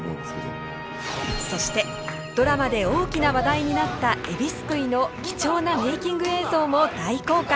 そしてドラマで大きな話題になったえびすくいの貴重なメイキング映像も大公開！